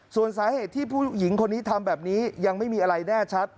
ส่วนสาเหตุที่ผู้หญิงคนนี้ทำแบบนี้ยังไม่มีอะไรแน่ชัด